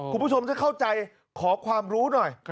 คุณผู้ชมถ้าเข้าใจขอความรู้หน่อย